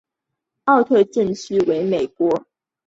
奥特镇区为美国堪萨斯州考利县辖下的镇区。